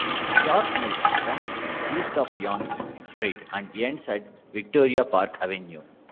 York Mills runs east of Yonge Street and ends at Victoria Park Avenue.